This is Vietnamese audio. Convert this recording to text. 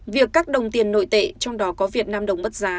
việc cắt đồng tiền nội tệ trong đó có việt nam đồng bất giá